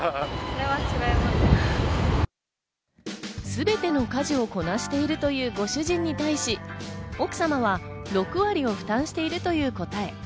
すべての家事をこなしているというご主人に対し、奥様は６割を負担しているという答え。